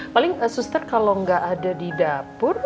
paling suster kalau nggak ada di dapur